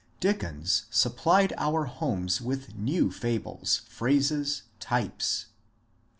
Dickens supplied our homes with new fables, phrases, types.